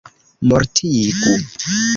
mortigu